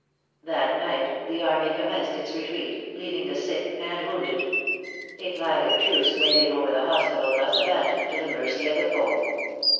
That night the army commenced its retreat, leaving the sick and wounded; a flag of truce waving over the hospital thus abandoned to the mercy of the foe.